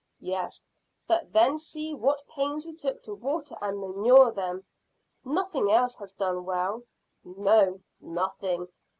"Yes; but then see what pains we took to water and manure them. Nothing else has done well." "No, nothing.